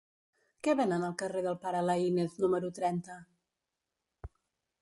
Què venen al carrer del Pare Laínez número trenta?